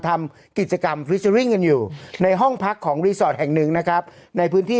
ทำกิจกรรมอยู่ในห้องพักของแห่งหนึ่งนะครับในพื้นที่